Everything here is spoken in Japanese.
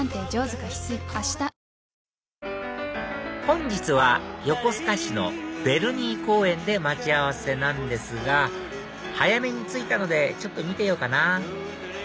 本日は横須賀市のヴェルニー公園で待ち合わせなんですが早めに着いたのでちょっと見てようかな